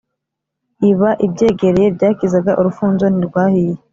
Iba ibyegereye byakizaga, urufunzo ntirwahiye.